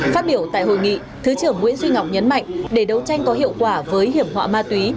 phát biểu tại hội nghị thứ trưởng nguyễn duy ngọc nhấn mạnh để đấu tranh có hiệu quả với hiểm họa ma túy